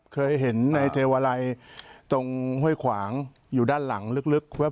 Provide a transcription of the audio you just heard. เคยเห็นในเทวาลัยตรงห้วยขวางอยู่ด้านหลังลึก